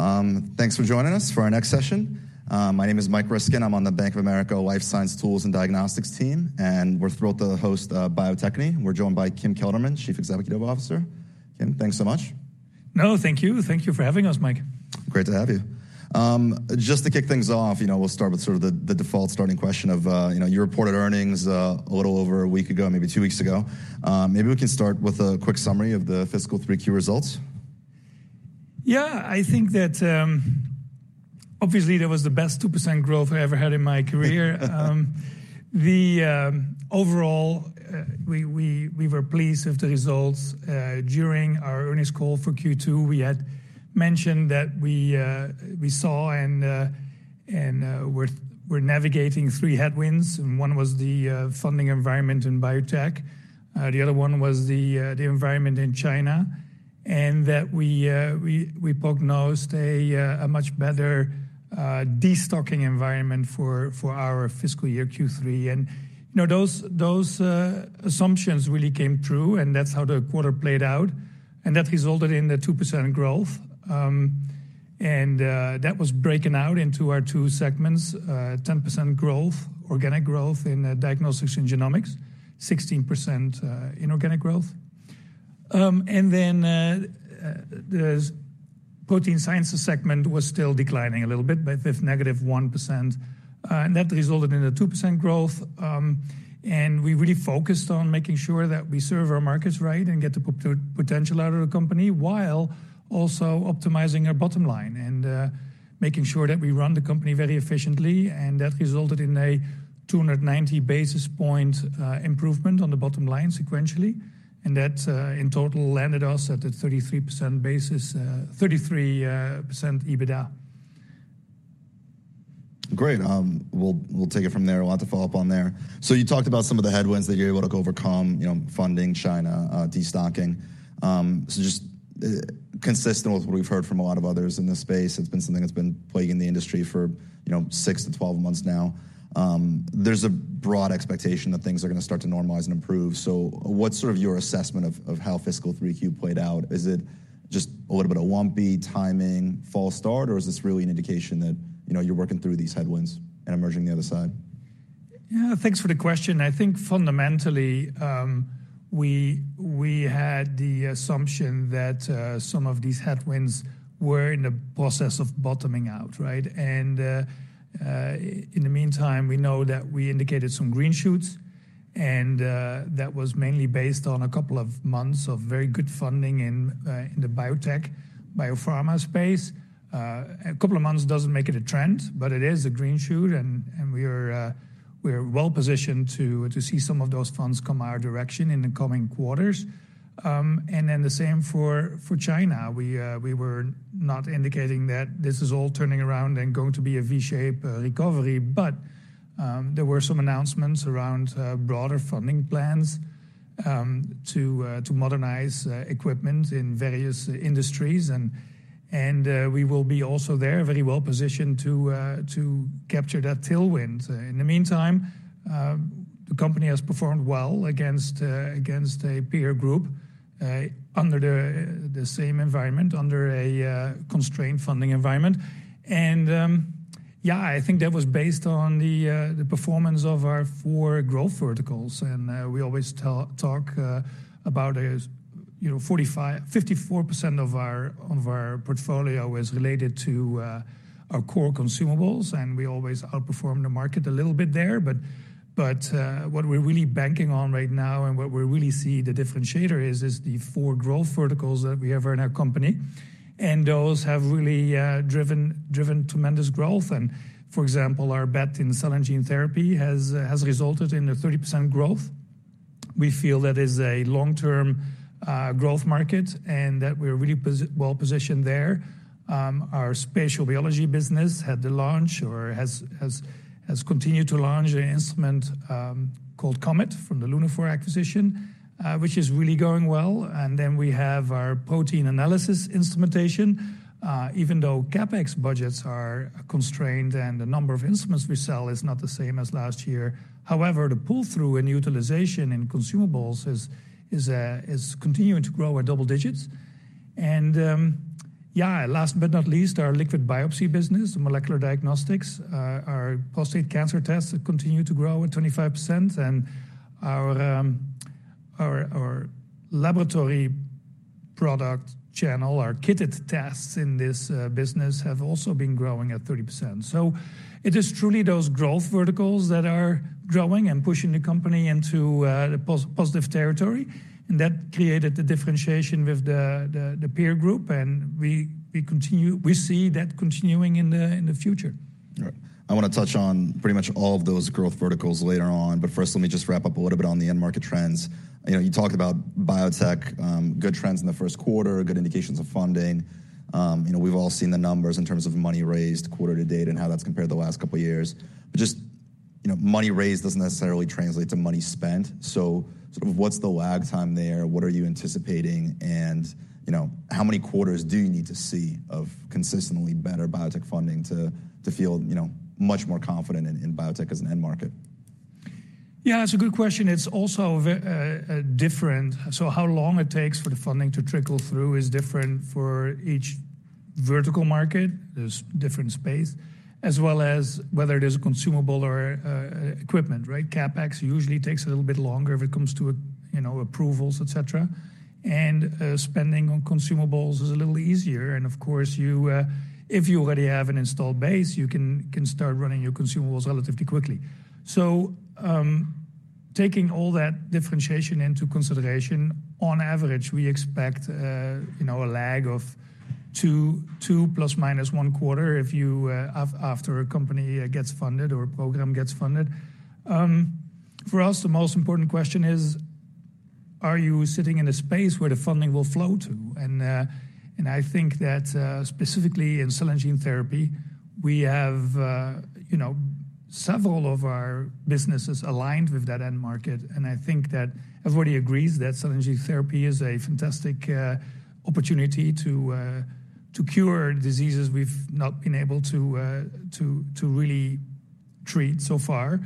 Great. Thanks for joining us for our next session. My name is Mike Ryskin. I'm on the Bank of America Life Science Tools and Diagnostics team, and we're thrilled to host Bio-Techne. We're joined by Kim Kelderman, Chief Executive Officer. Kim, thanks so much. No, thank you. Thank you for having us, Mike. Great to have you. Just to kick things off, you know, we'll start with sort of the default starting question of, you know, you reported earnings a little over a week ago, maybe two weeks ago. Maybe we can start with a quick summary of the fiscal 3Q results. Yeah, I think that, obviously that was the best 2% growth I ever had in my career. Overall, we were pleased with the results. During our earnings call for Q2, we had mentioned that we saw and we're navigating three headwinds, and one was the funding environment in biotech. The other one was the environment in China, and that we prognosed a much better destocking environment for our fiscal year Q3. And, you know, those assumptions really came true, and that's how the quarter played out, and that resulted in the 2% growth. That was broken out into our two segments, 10% growth, organic growth in Diagnostics and Genomics, 16%, inorganic growth. And then, the Protein Sciences segment was still declining a little bit, but with -1%, and that resulted in the 2% growth. We really focused on making sure that we serve our markets right and get the full potential out of the company while also optimizing our bottom line and making sure that we run the company very efficiently. And that resulted in a 290 basis point improvement on the bottom line sequentially, and that, in total, landed us at a 33% EBITDA. Great. We'll, we'll take it from there. I want to follow up on there. So you talked about some of the headwinds that you're able to overcome, you know, funding, China, destocking. So just, consistent with what we've heard from a lot of others in this space, it's been something that's been plaguing the industry for, you know, 6-12 months now. There's a broad expectation that things are going to start to normalize and improve. So what's sort of your assessment of, of how fiscal 3Q played out? Is it just a little bit of a lumpy timing, false start, or is this really an indication that, you know, you're working through these headwinds and emerging the other side? Yeah, thanks for the question. I think fundamentally, we, we had the assumption that, some of these headwinds were in the process of bottoming out, right? And, in the meantime, we know that we indicated some green shoots, and, that was mainly based on a couple of months of very good funding in, in the biotech, biopharma space. A couple of months doesn't make it a trend, but it is a green shoot, and, and we are, we are well positioned to, to see some of those funds come our direction in the coming quarters. And then the same for, for China. We, we were not indicating that this is all turning around and going to be a V-shape, recovery, but, there were some announcements around, broader funding plans, to, to modernize, equipment in various, industries. We will be also there very well positioned to capture that tailwind. In the meantime, the company has performed well against a peer group, under the same environment, under a constrained funding environment. I think that was based on the performance of our four growth verticals. We always talk about, you know, 45-54% of our portfolio is related to our core consumables, and we always outperform the market a little bit there. But what we're really banking on right now and what we really see the differentiator is the four growth verticals that we have in our company, and those have really driven tremendous growth. For example, our bet in cell and gene therapy has resulted in 30% growth. We feel that is a long-term, growth market and that we're really positioned well there. Our spatial biology business has continued to launch an instrument, called COMET from the Lunaphore acquisition, which is really going well. And then we have our protein analysis instrumentation, even though CapEx budgets are constrained and the number of instruments we sell is not the same as last year. However, the pull-through and utilization in consumables is continuing to grow at double digits. And, yeah, last but not least, our liquid biopsy business, the molecular diagnostics, our prostate cancer tests continue to grow at 25%, and our laboratory product channel, our kitted tests in this business have also been growing at 30%. So it is truly those growth verticals that are growing and pushing the company into the positive territory, and that created the differentiation with the peer group. And we continue to see that continuing in the future. All right. I want to touch on pretty much all of those growth verticals later on, but first, let me just wrap up a little bit on the end market trends. You know, you talked about biotech, good trends in the first quarter, good indications of funding. You know, we've all seen the numbers in terms of money raised quarter to date and how that's compared to the last couple of years. But just, you know, money raised doesn't necessarily translate to money spent. So sort of what's the lag time there? What are you anticipating? And, you know, how many quarters do you need to see of consistently better biotech funding to, to feel, you know, much more confident in, in biotech as an end market? Yeah, that's a good question. It's also very different. So how long it takes for the funding to trickle through is different for each vertical market. There's different spaces, as well as whether it is a consumable or equipment, right? CapEx usually takes a little bit longer if it comes to, you know, approvals, etc. And spending on consumables is a little easier. And, of course, you if you already have an installed base, you can start running your consumables relatively quickly. So, taking all that differentiation into consideration, on average, we expect, you know, a lag of 2, 2 ±1 quarter if you after a company gets funded or a program gets funded. For us, the most important question is, are you sitting in a space where the funding will flow to? I think that, specifically in Cell and Gene Therapy, we have, you know, several of our businesses aligned with that end market. I think that everybody agrees that Cell and Gene Therapy is a fantastic opportunity to cure diseases we've not been able to really treat so far.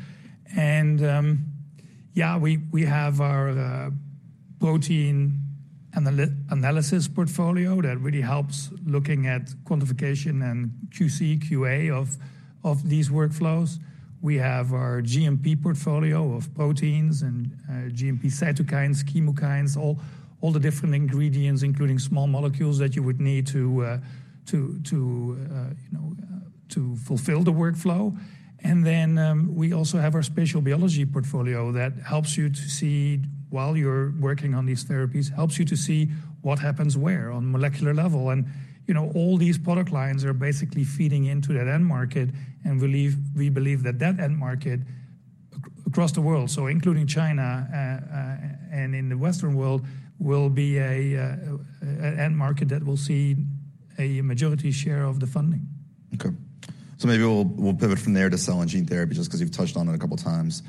Yeah, we have our protein analysis portfolio that really helps looking at quantification and QC, QA of these workflows. We have our GMP portfolio of proteins and GMP cytokines, chemokines, all the different ingredients, including small molecules that you would need to, you know, to fulfill the workflow. Then, we also have our Spatial Biology portfolio that helps you to see while you're working on these therapies, helps you to see what happens where on molecular level. You know, all these product lines are basically feeding into that end market, and we believe that end market across the world, so including China, and in the Western world, will be an end market that will see a majority share of the funding. Okay. So maybe we'll pivot from there to cell and gene therapy just because you've touched on it a couple of times.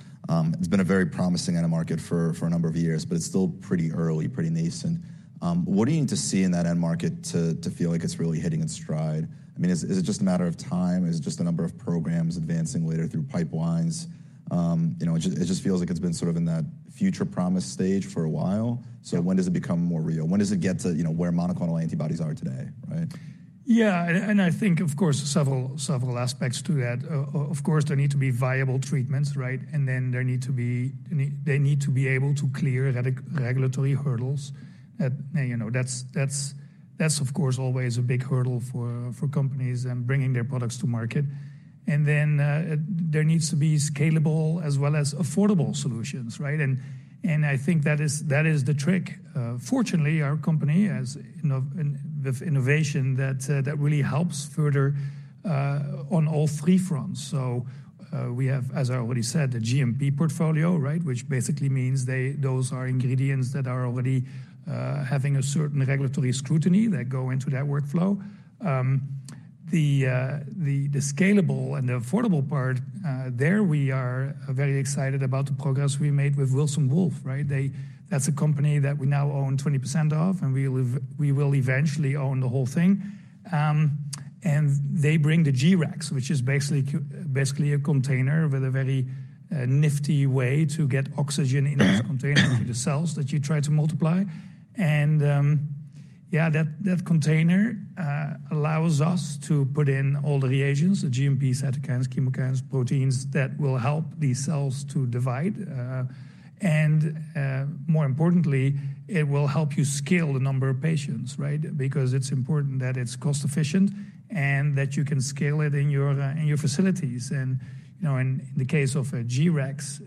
It's been a very promising end market for a number of years, but it's still pretty early, pretty nascent. What do you need to see in that end market to feel like it's really hitting its stride? I mean, is it just a matter of time? Is it just a number of programs advancing later through pipelines? You know, it just feels like it's been sort of in that future promise stage for a while. So when does it become more real? When does it get to, you know, where monoclonal antibodies are today, right? Yeah, and I think, of course, several aspects to that. Of course, there need to be viable treatments, right? And then there need to be, they need to be able to clear regulatory hurdles that, you know, that's, that's, of course, always a big hurdle for companies and bringing their products to market. And then, there needs to be scalable as well as affordable solutions, right? And I think that is the trick. Fortunately, our company has innovation that really helps further on all three fronts. So, we have, as I already said, the GMP portfolio, right, which basically means those are ingredients that are already having a certain regulatory scrutiny that go into that workflow. The scalable and the affordable part, there we are very excited about the progress we made with Wilson Wolf, right? That's a company that we now own 20% of, and we will eventually own the whole thing. And they bring the G-Rex, which is basically a container with a very nifty way to get oxygen in this container to the cells that you try to multiply. And, yeah, that container allows us to put in all the reagents, the GMP cytokines, chemokines, proteins that will help these cells to divide. And, more importantly, it will help you scale the number of patients, right, because it's important that it's cost-efficient and that you can scale it in your facilities. And, you know, in the case of a G-Rex,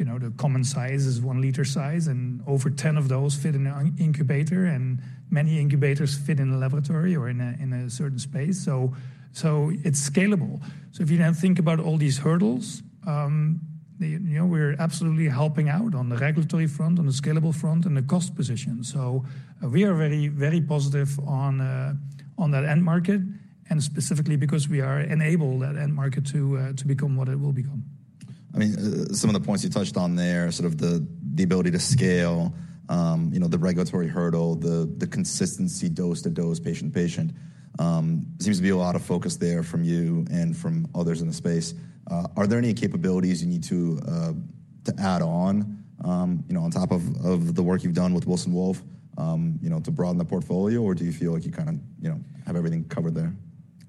you know, the common size is one-liter size, and over 10 of those fit in an incubator, and many incubators fit in a laboratory or in a certain space. So, it's scalable. So if you now think about all these hurdles, they, you know, we're absolutely helping out on the regulatory front, on the scalable front, and the cost position. So we are very, very positive on that end market and specifically because we are enabling that end market to become what it will become. I mean, some of the points you touched on there, sort of the, the ability to scale, you know, the regulatory hurdle, the, the consistency dose to dose, patient to patient, seems to be a lot of focus there from you and from others in the space. Are there any capabilities you need to, to add on, you know, on top of, of the work you've done with Wilson Wolf, you know, to broaden the portfolio, or do you feel like you kind of, you know, have everything covered there?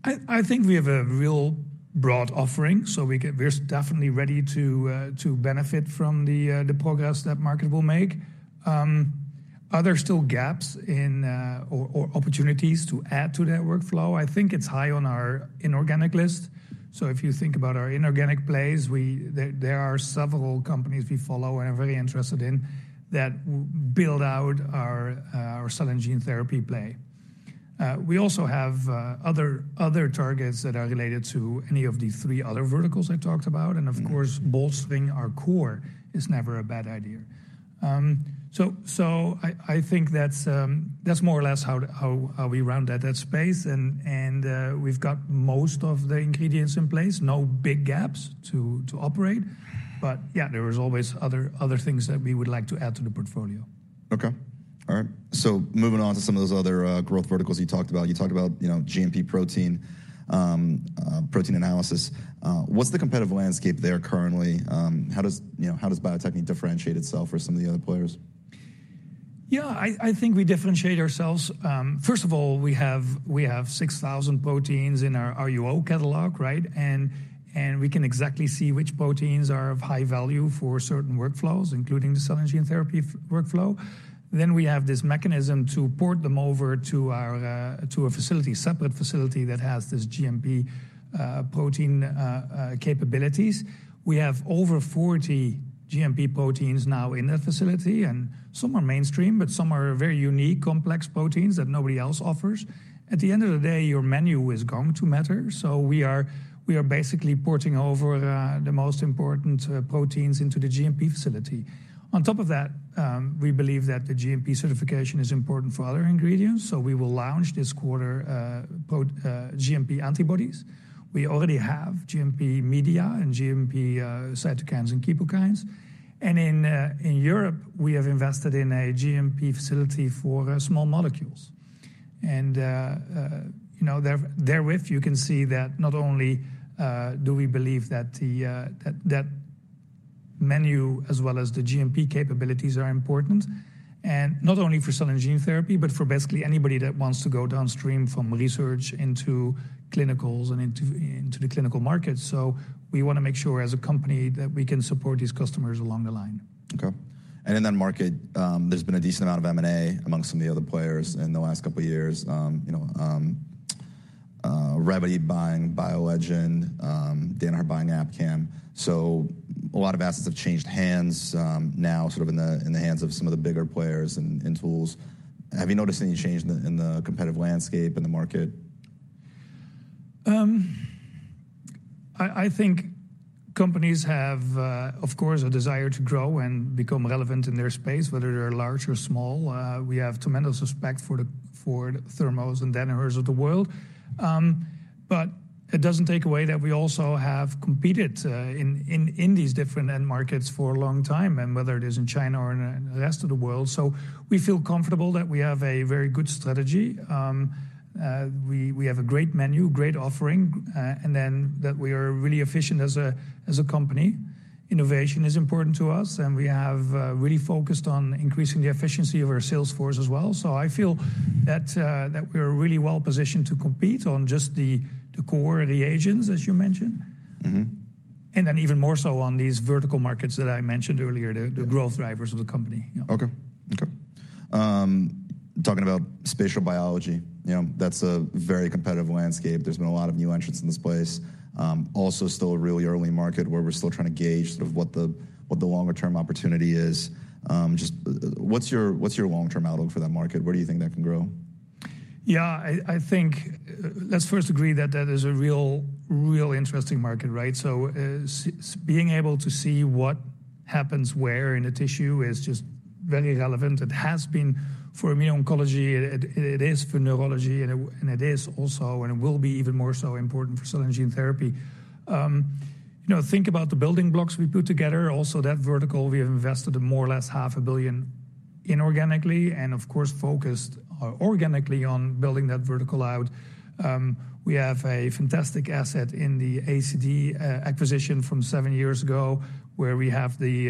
I think we have a real broad offering, so we're definitely ready to benefit from the progress that market will make. Are there still gaps in, or opportunities to add to that workflow? I think it's high on our inorganic list. So if you think about our inorganic plays, there are several companies we follow and are very interested in that we build out our cell and gene therapy play. We also have other targets that are related to any of the three other verticals I talked about. And, of course, bolstering our core is never a bad idea. So I think that's more or less how we round that space. And we've got most of the ingredients in place, no big gaps to operate. But yeah, there was always other things that we would like to add to the portfolio. Okay. All right. So moving on to some of those other growth verticals you talked about, you talked about, you know, GMP protein, protein analysis. What's the competitive landscape there currently? How does, you know, how does Bio-Techne differentiate itself from some of the other players? Yeah, I, I think we differentiate ourselves. First of all, we have we have 6,000 proteins in our RUO catalog, right? And, and we can exactly see which proteins are of high value for certain workflows, including the cell and gene therapy workflow. Then we have this mechanism to port them over to our, to a facility, separate facility that has this GMP, protein, capabilities. We have over 40 GMP proteins now in that facility, and some are mainstream, but some are very unique, complex proteins that nobody else offers. At the end of the day, your menu is going to matter. So we are we are basically porting over, the most important, proteins into the GMP facility. On top of that, we believe that the GMP certification is important for other ingredients. So we will launch this quarter, pro GMP antibodies. We already have GMP media and GMP cytokines and chemokines. And in Europe, we have invested in a GMP facility for small molecules. And, you know, therewith, you can see that not only do we believe that the menu as well as the GMP capabilities are important, and not only for cell and gene therapy, but for basically anybody that wants to go downstream from research into clinicals and into the clinical market. So we want to make sure as a company that we can support these customers along the line. Okay. And in that market, there's been a decent amount of M&A among some of the other players in the last couple of years. You know, Revvity buying BioLegend, Danaher buying Abcam. So a lot of assets have changed hands, now sort of in the hands of some of the bigger players and tools. Have you noticed any change in the competitive landscape in the market? I think companies have, of course, a desire to grow and become relevant in their space, whether they're large or small. We have tremendous respect for the Thermo and Danahers of the world. But it doesn't take away that we also have competed in these different end markets for a long time, and whether it is in China or in the rest of the world. So we feel comfortable that we have a very good strategy. We have a great menu, great offering, and then that we are really efficient as a company. Innovation is important to us, and we have really focused on increasing the efficiency of our sales force as well. So I feel that we are really well positioned to compete on just the core reagents, as you mentioned. Mm-hmm. And then even more so on these vertical markets that I mentioned earlier, the growth drivers of the company. Yeah. Okay. Okay. Talking about spatial biology, you know, that's a very competitive landscape. There's been a lot of new entrants in this space. Also still a really early market where we're still trying to gauge sort of what the longer-term opportunity is. Just what's your long-term outlook for that market? Where do you think that can grow? Yeah, I think let's first agree that that is a real, real interesting market, right? So, being able to see what happens where in a tissue is just very relevant. It has been for immuno-oncology. It is for neurology, and it is also, and it will be even more so important for cell and gene therapy. You know, think about the building blocks we put together. Also, that vertical, we have invested more or less $500 million inorganically and, of course, focused organically on building that vertical out. We have a fantastic asset in the ACD acquisition from seven years ago where we have the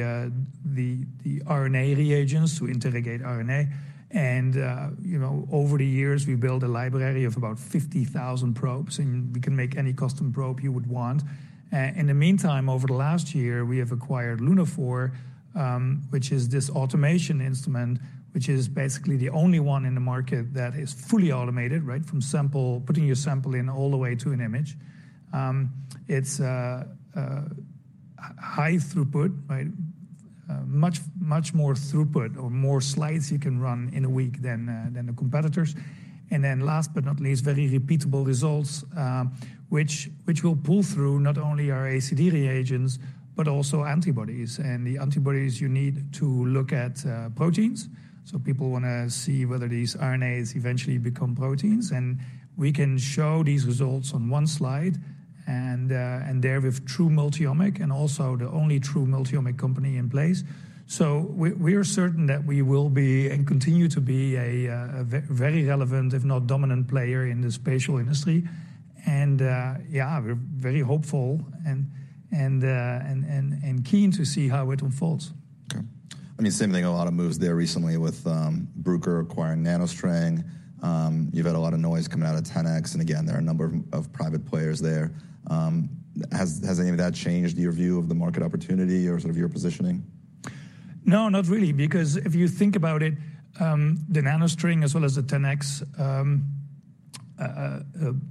RNA reagents to interrogate RNA. And, you know, over the years, we built a library of about 50,000 probes, and we can make any custom probe you would want. In the meantime, over the last year, we have acquired Lunaphore, which is this automation instrument, which is basically the only one in the market that is fully automated, right, from sample, putting your sample in all the way to an image. It's high throughput, right? Much more throughput, or more slides you can run in a week than the competitors. And then last but not least, very repeatable results, which will pull through not only our ACD reagents but also antibodies. And the antibodies you need to look at proteins. So people want to see whether these RNAs eventually become proteins. And we can show these results on one slide and there with true multiomic and also the only true multiomic company in place. So we are certain that we will be and continue to be a very relevant, if not dominant, player in the spatial industry. And, yeah, we're very hopeful and keen to see how it unfolds. Okay. I mean, same thing. A lot of moves there recently with Bruker acquiring NanoString. You've had a lot of noise coming out of 10x, and again, there are a number of private players there. Has any of that changed your view of the market opportunity or sort of your positioning? No, not really, because if you think about it, the NanoString as well as the 10x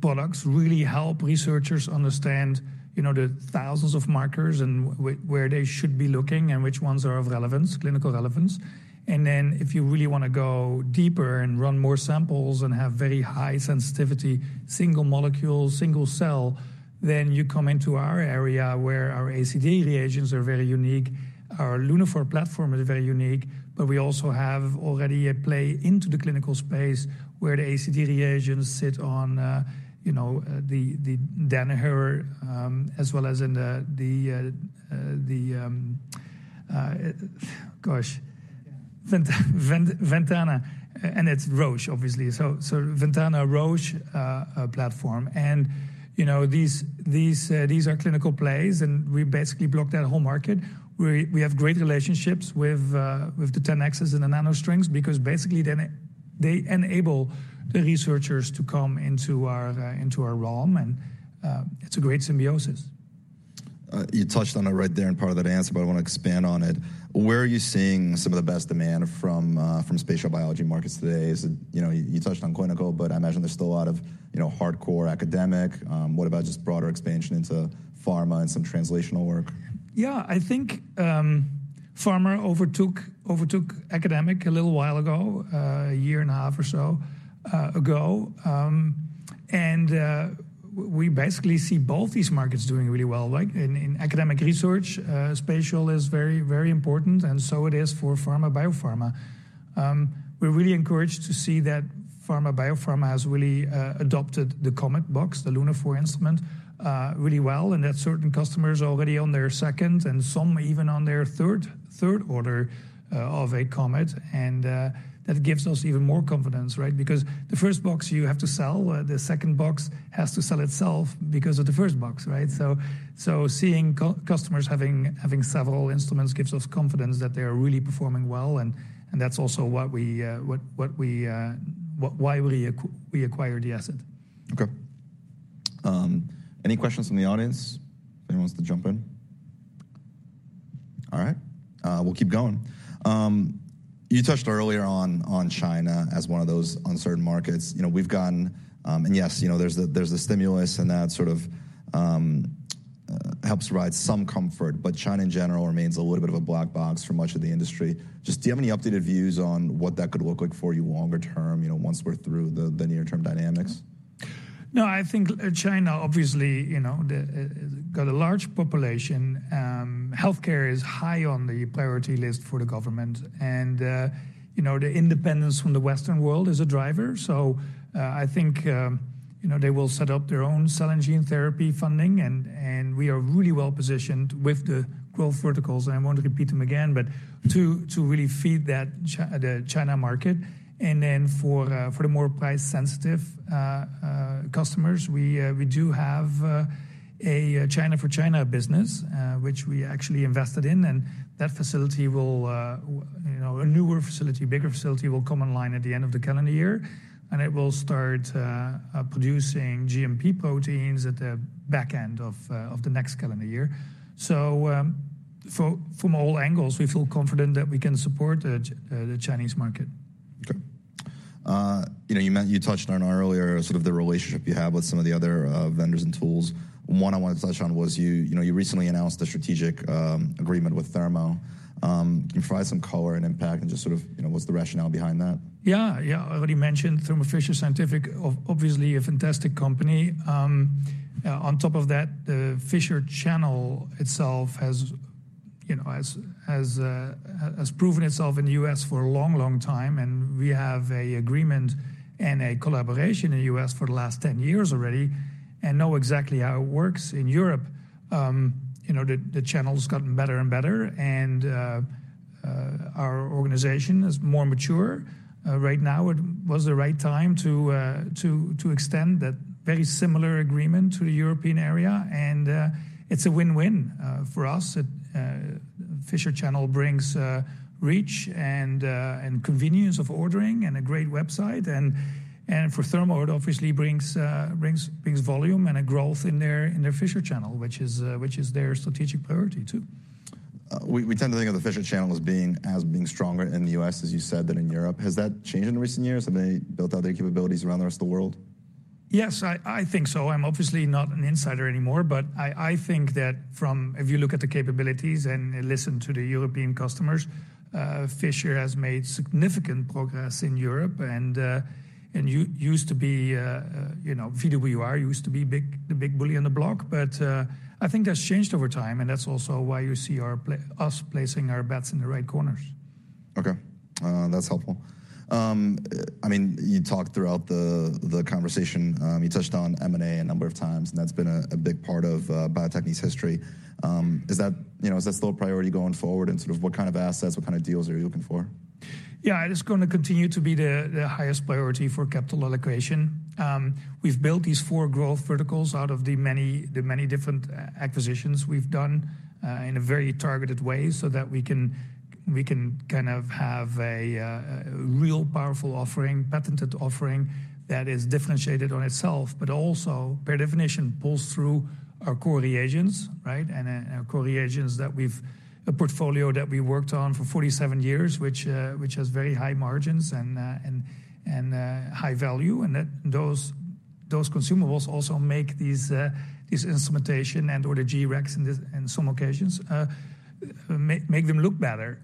products really help researchers understand, you know, the thousands of markers and where they should be looking and which ones are of relevance, clinical relevance. And then if you really want to go deeper and run more samples and have very high sensitivity, single molecule, single cell, then you come into our area where our ACD reagents are very unique. Our Lunaphore platform is very unique, but we also have already a play into the clinical space where the ACD reagents sit on, you know, the Ventana. And it's Roche, obviously. So, Ventana Roche platform. And, you know, these, these, these are clinical plays, and we basically block that whole market. We have great relationships with the 10x's and the NanoStrings because basically then they enable the researchers to come into our realm, and it's a great symbiosis. You touched on it right there in part of that answer, but I want to expand on it. Where are you seeing some of the best demand from, from spatial biology markets today? Is it, you know, you touched on clinical, but I imagine there's still a lot of, you know, hardcore academic. What about just broader expansion into pharma and some translational work? Yeah, I think pharma overtook academic a little while ago, a year and a half or so ago. And we basically see both these markets doing really well, right, in academic research. Spatial is very, very important, and so it is for pharma, biopharma. We're really encouraged to see that pharma, biopharma has really adopted the Comet box, the Lunaphore instrument, really well, and that certain customers are already on their second and some even on their third order of a Comet. And that gives us even more confidence, right, because the first box you have to sell, the second box has to sell itself because of the first box, right? So seeing customers having several instruments gives us confidence that they are really performing well, and that's also why we acquired the asset. Okay. Any questions from the audience? If anyone wants to jump in? All right. We'll keep going. You touched earlier on, on China as one of those uncertain markets. You know, we've gotten, and yes, you know, there's the there's the stimulus, and that sort of, helps provide some comfort, but China in general remains a little bit of a black box for much of the industry. Just do you have any updated views on what that could look like for you longer term, you know, once we're through the, the near-term dynamics? No, I think China, obviously, you know, they got a large population. Healthcare is high on the priority list for the government. And, you know, the independence from the Western world is a driver. So, I think, you know, they will set up their own cell and gene therapy funding, and we are really well positioned with the growth verticals. And I won't repeat them again, but to really feed that China market. And then for the more price-sensitive customers, we do have a China for China business, which we actually invested in. And that facility will, you know, a newer facility, bigger facility will come online at the end of the calendar year, and it will start producing GMP proteins at the back end of the next calendar year. So, from all angles, we feel confident that we can support the Chinese market. Okay. You know, you mentioned you touched on earlier sort of the relationship you have with some of the other vendors and tools. One I wanted to touch on was, you know, you recently announced a strategic agreement with Thermo. Can you provide some color and impact and just sort of, you know, what's the rationale behind that? Yeah, yeah. I already mentioned Thermo Fisher Scientific, obviously a fantastic company. On top of that, the Fisher Channel itself has, you know, proven itself in the U.S. for a long, long time. And we have an agreement and a collaboration in the U.S. for the last 10 years already and know exactly how it works in Europe. You know, the channel's gotten better and better, and our organization is more mature. Right now, it was the right time to extend that very similar agreement to the European area. And it's a win-win for us. The Fisher Channel brings reach and convenience of ordering and a great website. And for Thermo, it obviously brings volume and growth in their Fisher Channel, which is their strategic priority too. We tend to think of the Fisher Channel as being stronger in the U.S., as you said, than in Europe. Has that changed in recent years? Have they built out their capabilities around the rest of the world? Yes, I think so. I'm obviously not an insider anymore, but I think that from if you look at the capabilities and listen to the European customers, Fisher has made significant progress in Europe. And you used to be, you know, VWR used to be the big bully on the block, but I think that's changed over time, and that's also why you see us placing our bets in the right corners. Okay. That's helpful. I mean, you talked throughout the conversation, you touched on M&A a number of times, and that's been a big part of Bio-Techne's history. Is that, you know, still a priority going forward, and sort of what kind of assets, what kind of deals are you looking for? Yeah, it's going to continue to be the highest priority for capital allocation. We've built these four growth verticals out of the many different acquisitions we've done, in a very targeted way so that we can kind of have a real powerful offering, patented offering that is differentiated on itself, but also by definition pulls through our core reagents, right, and our core reagents that we have a portfolio that we worked on for 47 years, which has very high margins and high value. And those consumables also make these instrumentation and/or the G-Rex in some occasions make them look better.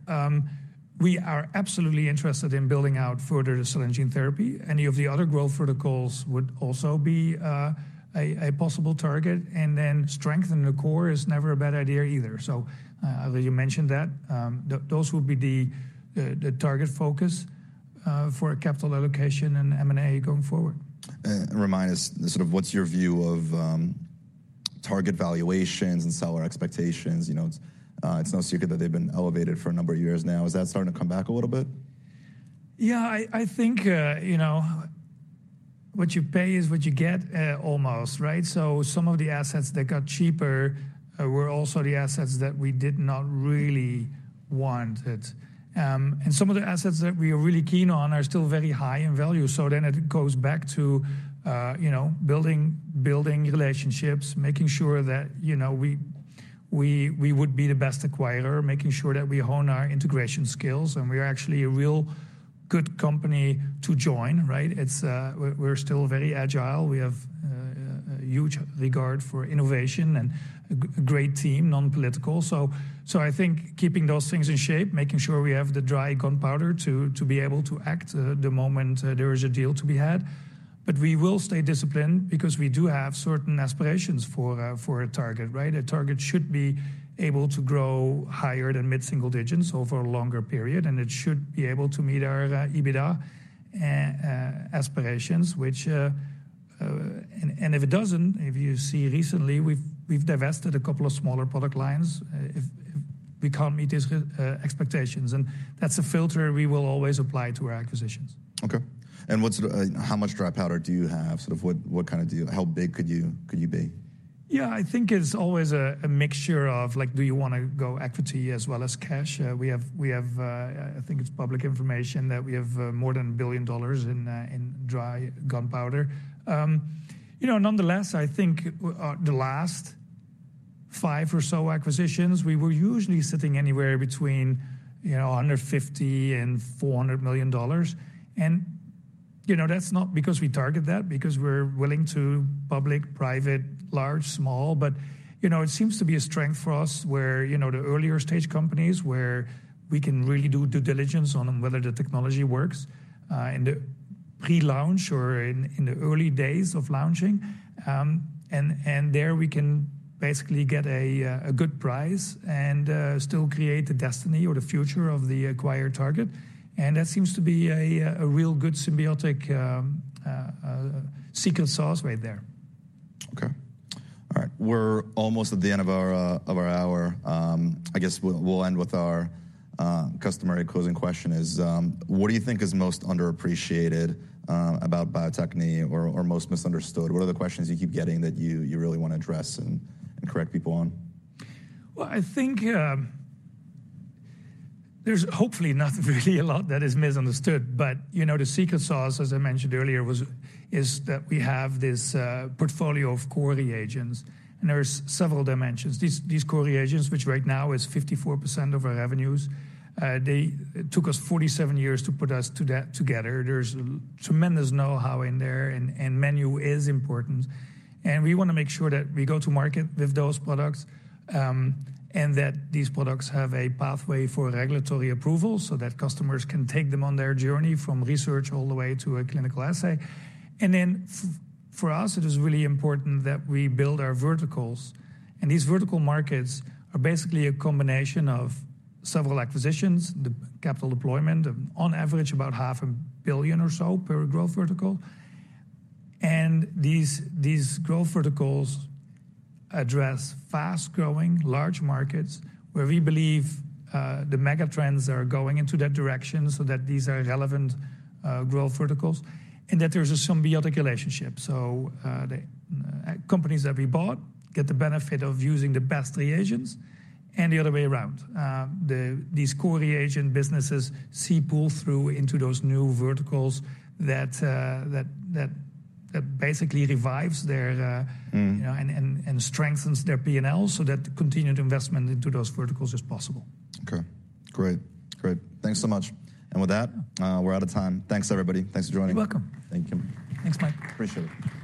We are absolutely interested in building out further the Cell and Gene Therapy. Any of the other growth verticals would also be a possible target. Then strengthening the core is never a bad idea either. So, as you mentioned that, those would be the target focus for capital allocation and M&A going forward. Remind us sort of what's your view of target valuations and seller expectations. You know, it's, it's no secret that they've been elevated for a number of years now. Is that starting to come back a little bit? Yeah, I, I think, you know, what you pay is what you get, almost, right? So some of the assets that got cheaper were also the assets that we did not really wanted. And some of the assets that we are really keen on are still very high in value. So then it goes back to, you know, building, building relationships, making sure that, you know, we, we, we would be the best acquirer, making sure that we hone our integration skills. And we are actually a real good company to join, right? It's, we're, we're still very agile. We have a huge regard for innovation and a great team, non-political. So, so I think keeping those things in shape, making sure we have the dry gunpowder to, to be able to act the moment there is a deal to be had. But we will stay disciplined because we do have certain aspirations for a target, right? A target should be able to grow higher than mid-single digits over a longer period, and it should be able to meet our EBITDA aspirations, which and if it doesn't, if you see recently, we've divested a couple of smaller product lines, if we can't meet these expectations. And that's a filter we will always apply to our acquisitions. Okay. And what's the, how much dry powder do you have? Sort of what kind of deal how big could you be? Yeah, I think it's always a mixture of, like, do you want to go equity as well as cash? We have, I think it's public information that we have more than $1 billion in dry powder. You know, nonetheless, I think the last five or so acquisitions, we were usually sitting anywhere between, you know, $150-$400 million. And, you know, that's not because we target that, because we're willing to public, private, large, small. But, you know, it seems to be a strength for us where, you know, the earlier stage companies where we can really do due diligence on whether the technology works, in the pre-launch or in the early days of launching. And there we can basically get a good price and still create the destiny or the future of the acquired target. That seems to be a real good symbiotic secret sauce right there. Okay. All right. We're almost at the end of our hour. I guess we'll end with our customer closing question is, what do you think is most underappreciated about Bio-Techne or most misunderstood? What are the questions you keep getting that you really want to address and correct people on? Well, I think there's hopefully not really a lot that is misunderstood. But, you know, the secret sauce, as I mentioned earlier, was is that we have this portfolio of core reagents, and there's several dimensions. These, these core reagents, which right now is 54% of our revenues, they took us 47 years to put us together. There's tremendous know-how in there, and, and menu is important. And we want to make sure that we go to market with those products, and that these products have a pathway for regulatory approval so that customers can take them on their journey from research all the way to a clinical assay. And then for us, it is really important that we build our verticals. And these vertical markets are basically a combination of several acquisitions, the capital deployment, on average about $500 million or so per growth vertical. And these growth verticals address fast-growing, large markets where we believe the mega trends are going into that direction so that these are relevant growth verticals and that there's a symbiotic relationship. So, the companies that we bought get the benefit of using the best reagents and the other way around. These core reagent businesses see pull through into those new verticals that basically revives their you know and strengthens their P&L so that continued investment into those verticals is possible. Okay. Great. Great. Thanks so much. With that, we're out of time. Thanks, everybody. Thanks for joining. You're welcome. Thank you. Thanks, Mike. Appreciate it.